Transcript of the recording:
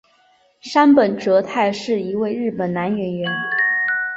杉本哲太是一位日本男演员。